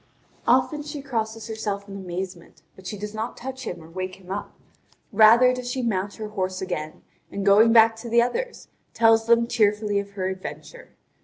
Often she crosses herself in amazement, but she does not touch him or wake him up; rather does she mount her horse again, and going back to the others, tells them tearfully of her adventure.